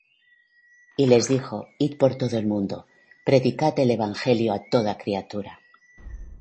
Y les dijo: Id por todo el mundo; predicad el evangelio á toda criatura.